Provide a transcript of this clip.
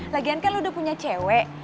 lagian kan udah punya cewek